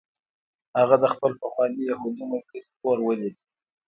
هغه د خپل پخواني یهودي ملګري کور ولید